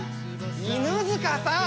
犬塚さん！